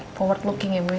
forward looking ya bu